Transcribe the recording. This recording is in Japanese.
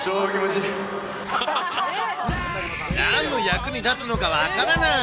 なんの役に立つのか分からない。